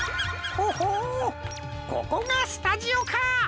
ほほーここがスタジオか。